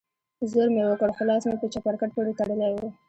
زور مې وکړ خو لاس مې په چپرکټ پورې تړلى و.